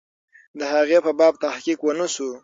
د هغې په باب تحقیق ونسو.